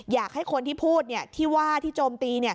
อยากให้คนที่พูดที่ว่าที่โจมตี